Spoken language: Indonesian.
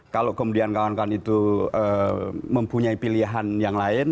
kalau kemudian kawan kawan itu mempunyai pilihan yang lain